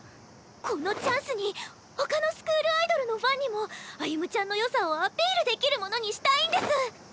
このチャンスに他のスクールアイドルのファンにも歩夢ちゃんの良さをアピールできるものにしたいんです！